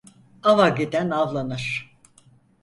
Ava giden avlanır.